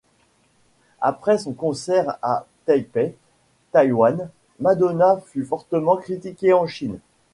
Après son concert à Taipei, Taïwan, Madonna fut fortement critiquée en Chine.